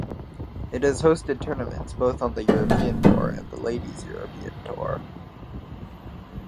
It has hosted tournaments both on the European Tour and the Ladies European Tour.